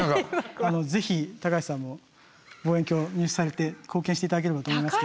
是非高橋さんも望遠鏡を入手されて貢献していただければと思いますけど。